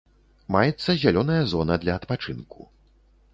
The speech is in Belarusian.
Маецца зялёная зона для адпачынку.